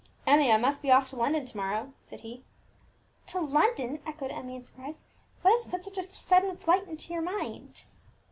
"Emmie, I must be off to London to morrow," said he. "To London!" echoed Emmie in surprise. "What has put such a sudden flight into your mind?"